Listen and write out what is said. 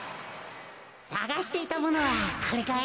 さがしていたものはこれかい？